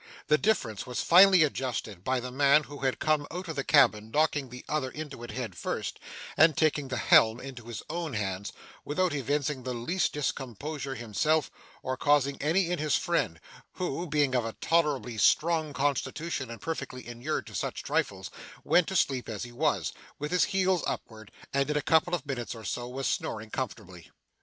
The difference was finally adjusted, by the man who had come out of the cabin knocking the other into it head first, and taking the helm into his own hands, without evincing the least discomposure himself, or causing any in his friend, who, being of a tolerably strong constitution and perfectly inured to such trifles, went to sleep as he was, with his heels upwards, and in a couple of minutes or so was snoring comfortably.